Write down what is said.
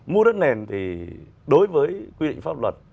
mua đất nền thì đối với quy định pháp luật